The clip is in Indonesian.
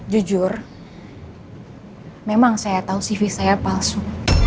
jujur memang saya tahu cv saya palsu